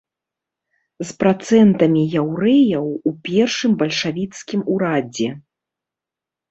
З працэнтамі яўрэяў у першым бальшавіцкім урадзе.